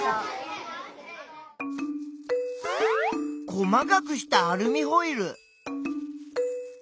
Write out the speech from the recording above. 細かくしたアルミホイル。